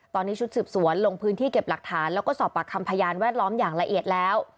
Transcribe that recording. ตอนนี้ชุดสืบสวนลงพื้นที่เก็บหลักฐานแล้วก็สอบปากคำพยานแวดล้อมอย่างละเอียดแล้ว